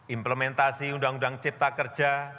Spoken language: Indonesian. implementasi undang undang cipta kerja